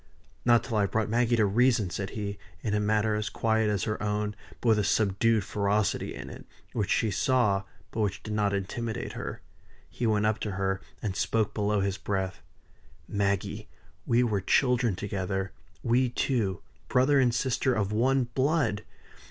"Not till I have brought Maggie to reason," said he, in a manner as quiet as her own, but with a subdued ferocity in it, which she saw, but which did not intimidate her. He went up to her, and spoke below his breath. "Maggie, we were children together we two brother and sister of one blood!